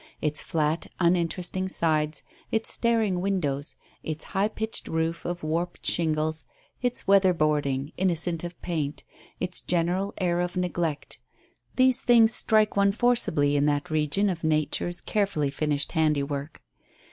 Its flat, uninteresting sides; its staring windows; its high pitched roof of warped shingles; its weather boarding, innocent of paint; its general air of neglect; these things strike one forcibly in that region of Nature's carefully finished handiwork.